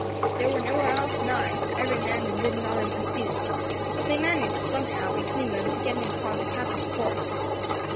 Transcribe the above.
There war no one else nigh, for every man had ridden on in pursuit; but they managed, somehow, between them, to get him upon the Captain's horse.